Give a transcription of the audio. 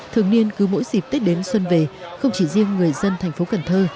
thường niên cứ mỗi dịp tết đến xuân về không chỉ riêng người dân thành phố cần thơ